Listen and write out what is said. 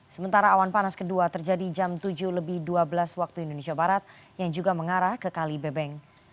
sementara awan panas kedua terjadi jam tujuh lebih dua belas waktu indonesia barat yang juga mengarah ke kali bebeng